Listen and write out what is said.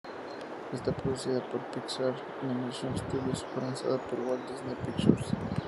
Está producida por Pixar Animation Studios, y fue lanzada por Walt Disney Pictures.